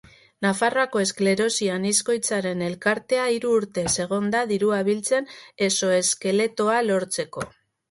Nafarroako Esklerosi Anizkoitzaren Elkartea hiru urtez egon da dirua biltzen exoeskeletoa lortzeko.